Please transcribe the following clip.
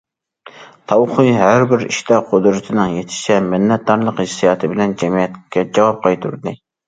تاۋ خۇي ھەر بىر ئىشتا قۇدرىتىنىڭ يېتىشىچە مىننەتدارلىق ھېسسىياتى بىلەن جەمئىيەتكە جاۋاب قايتۇردى.